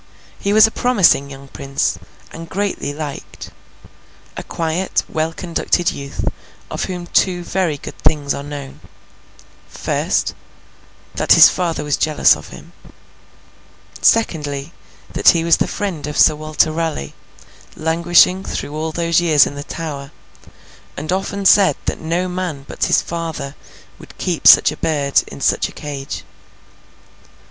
He was a promising young prince, and greatly liked; a quiet, well conducted youth, of whom two very good things are known: first, that his father was jealous of him; secondly, that he was the friend of Sir Walter Raleigh, languishing through all those years in the Tower, and often said that no man but his father would keep such a bird in such a cage.